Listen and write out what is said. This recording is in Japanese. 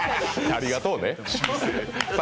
ありがとうね。